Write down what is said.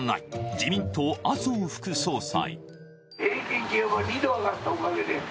自民党・麻生副総裁。